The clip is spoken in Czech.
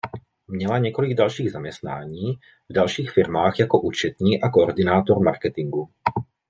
Měla několik dalších zaměstnání v dalších firmách jako účetní a koordinátor marketingu.